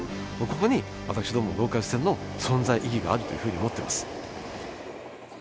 ここに私どもローカル線の存在意義があるというふうに思ってます。